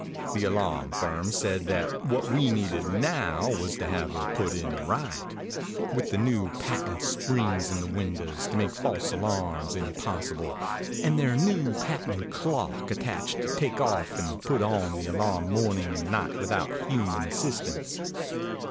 The alarm firm said that what we needed now was to have her put in right with their new patent springs in the windows to make false alarms impossible, and their new patent clock attached to take off and put on the alarm morning and night without human assistance.